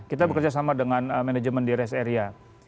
kita bekerja sama dengan manajemen di rest area